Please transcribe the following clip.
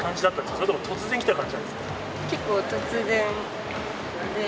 それとも突然来た感じなんですか？